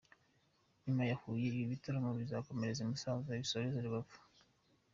Nyuma ya Huye ibi bitaramo bizakomereza i Musanze bisoreze I Rubavu.